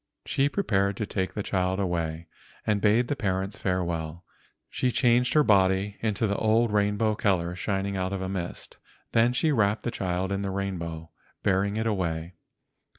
She prepared to take the child away, and bade the parents farewell. She changed her body into the old rainbow colors shining out of a mist, then she wrapped the child in the rainbow, bearing it away.